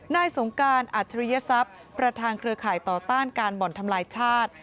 สงการอัจฉริยศัพย์ประธานเครือข่ายต่อต้านการบ่อนทำลายชาติ